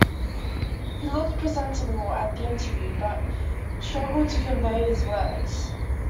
He looked presentable at the interview but struggled to convey his words.